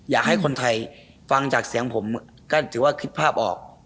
อยากให้คนไทยก็คิดภาพออก